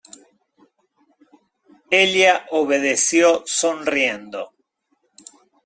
ella obedeció sonriendo .